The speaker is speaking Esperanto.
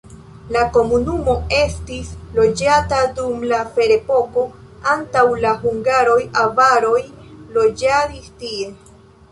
La komunumo estis loĝata dum la ferepoko, antaŭ la hungaroj avaroj loĝadis tie.